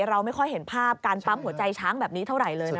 เราไม่ค่อยเห็นภาพการปั๊มหัวใจช้างแบบนี้เท่าไหร่เลยนะ